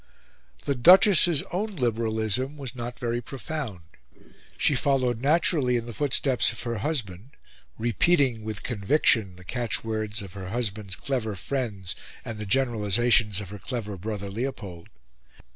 The Duchess's own liberalism was not very profound. She followed naturally in the footsteps of her husband, repeating with conviction the catchwords of her husband's clever friends and the generalisations of her clever brother Leopold.